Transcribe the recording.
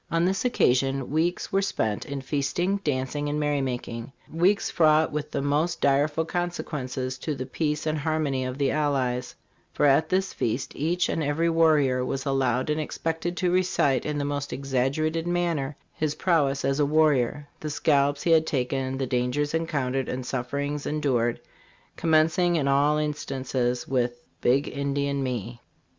this occasion weeks were spent in feasting, dancing and merry making, weeks fraught with the most direful consequences to the peace and harmony of the allies; for at this feast each and every warrior was al lowed and expected to recite in the most exaggerated manner his prowess as a warrior; the scalps he had taken, the dangers encountered and sufferings endured, commencing ia all instances with ' Big Indian me."